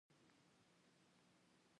د وینې د غوړ لپاره باید څه شی وڅښم؟